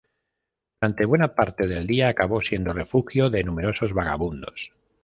Durante buena parte del día acabó siendo refugio de numerosos vagabundos.